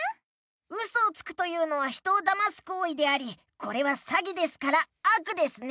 ウソをつくというのは人をだますこういでありこれはさぎですからあくですね。